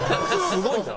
すごいな。